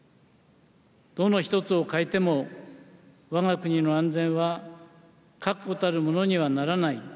どの一つを欠いても、わが国の安全は確固たるものにはならない。